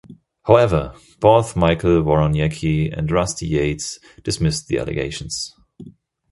However, both Michael Woroniecki and Rusty Yates dismissed the allegations.